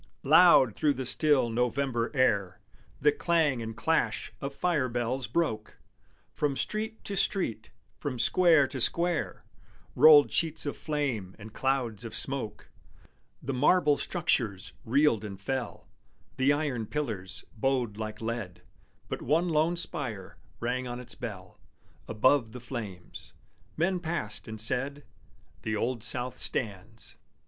Loud through the still November air The clang and clash of fire bells broke; From street to street, from square to square, Rolled sheets of flame and clouds of smoke. The marble structures reeled and fell, The iron pillars bowed like lead; But one lone spire rang on its bell Above the flames. Men passed, and said, "The Old South stands!"